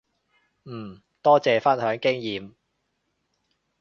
嗯，多謝分享經驗